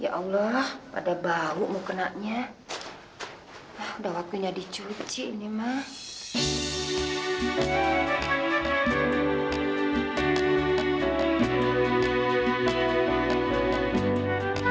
ya allah pada bau mau kenanya udah waktunya dicuci nih mah